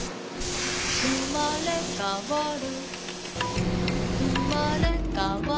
「うまれかわる」